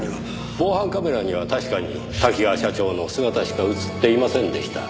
防犯カメラには確かに多岐川社長の姿しか映っていませんでした。